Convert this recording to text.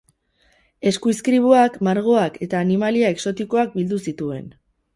Eskuizkribuak, margoak eta animalia exotikoak bildu zituen.